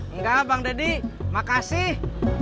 enggak bang dedi makasih